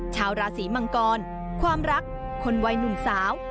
ชาวราศีมังกรความรักคนวัยหนุ่มสาว